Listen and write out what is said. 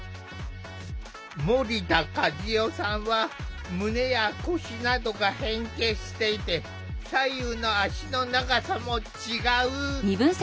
森田かずよさんは胸や腰などが変形していて左右の足の長さも違う。